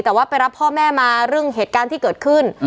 แต่ว่าไปรับพ่อแม่มาเรื่องเหตุการณ์ที่เกิดขึ้น